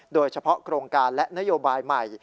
โดยเฉพาะโครงการและนโยบายใหม่